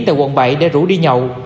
từ quận bảy để rủ đi nhậu